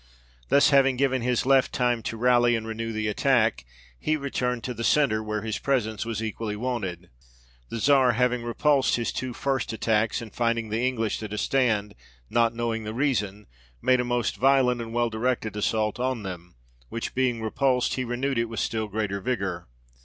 Thus, having given his left time to rally and renew the attack, he returned to the centre, where his presence was equally wanted. The Czar, having repulsed his two first attacks, and finding the English at a stand, not knowing the reason, made a most violent and well directed assault on them, which being repulsed, he renewed it with still greater vigour.